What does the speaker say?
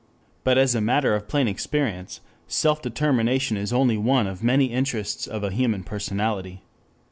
But as a matter of plain experience, self determination is only one of the many interests of a human personality.